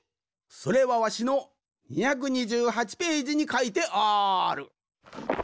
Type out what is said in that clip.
それはわしの２２８ページにかいてある。